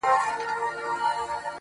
مخامخ وتراشل سوي بت ته گوري.